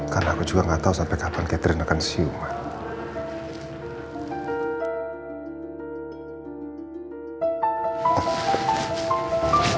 karena aku juga gak tahu sampai kapan catherine akan siuman